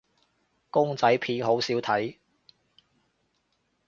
公仔片好少睇